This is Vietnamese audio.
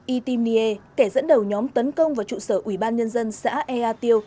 y tim nghie kẻ dẫn đầu nhóm tấn công vào trụ sở ủy ban nhân dân xã ea tiêu